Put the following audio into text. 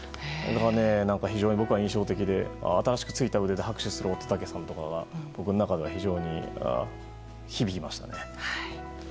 だから、非常に僕は印象的で新しく着いた腕で拍手する乙武さんとかが僕の中で非常に響きましたね。